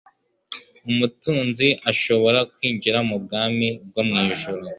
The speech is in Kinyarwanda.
umutunzi ashobora kwinjira mu bwami bwo mu ijuru.